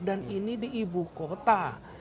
dan ini di ibu kota